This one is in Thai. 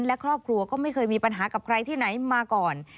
และครอบครัวก็ไม่เคยมีปัญหากับใครที่ไหนมาก่อน